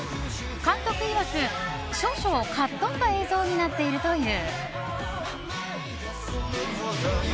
監督いわく少々かっとんだ映像になっているという。